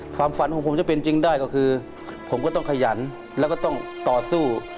ความฝันของผมจะเป็นจริงได้ก็คือผมก็ต้องขยันแล้วก็ต้องต่อสู้